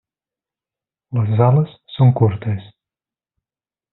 Les ales són curtes.